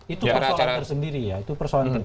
itu persoalan tersendiri ya itu persoalan